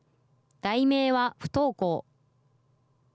題名は、不登校。